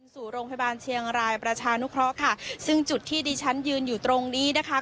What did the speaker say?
ส่งโรงพยาบาลเชียงรายประชานุเคราะห์ค่ะซึ่งจุดที่ดิฉันยืนอยู่ตรงนี้นะคะ